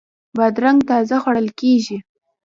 بادرنګ تازه خوړل کیږي.